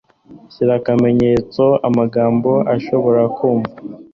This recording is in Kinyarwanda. Shyira akamenyetso ku magambo udashobora kumva